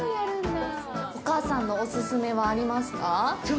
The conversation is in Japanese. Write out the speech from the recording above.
お母さんのお勧めはありますか？